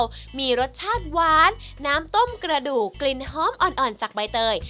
แบบนี้จึงทำให้น้ำซุปของร้านยังเก่ามีรสชาติหวานน้ำต้มกระดูกกลิ่นหอมอ่อนจากใบเตย